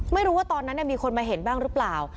ไม่รู้ว่าตอนนั้นมีคนมาเห็นบ้างหรือเปล่า